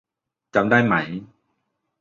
จำได้ไหม ?